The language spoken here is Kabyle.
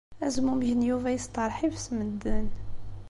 Azmumeg n Yuba yesteṛḥib s medden.